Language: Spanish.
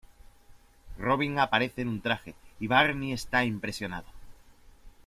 Robin aparece en un traje, y Barney está impresionado.